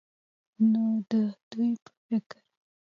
نو د دوي په فکر